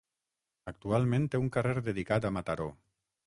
Actualment té un carrer dedicat a Mataró.